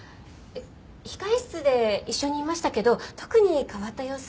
控室で一緒にいましたけど特に変わった様子は。